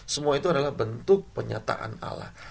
semua itu adalah bentuk penyataan allah